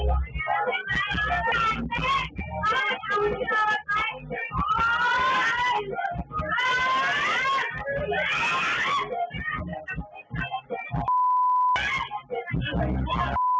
นี่มุมแรกนะดูจากเวลาเกราะมุมขวาด้านล่างในเกือบตีหนึ่งนะฮะ